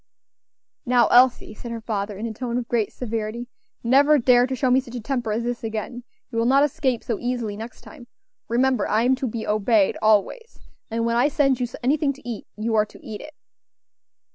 "Now, Elsie," said her father, in a tone of great severity, "never dare to show me such a temper as this again; you will not escape so easily next time; remember I am to be obeyed always; and when I send you anything to eat, you are to eat it."